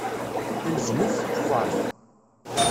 Telzem-it tkeffart.